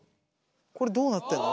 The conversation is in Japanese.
これどうなってんの？